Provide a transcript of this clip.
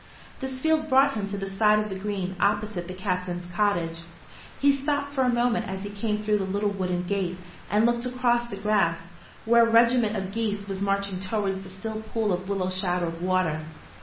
This field brought him to the side of the green opposite the Captain's cottage. He stopped for a moment as he came through the little wooden gate, and looked across the grass, where a regiment of geese was marching towards the still pool of willow shadowed water.